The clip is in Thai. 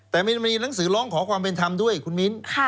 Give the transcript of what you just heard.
แต่มันมีหนังสือร้องขอความเป็นธรรมด้วยคุณมิ้น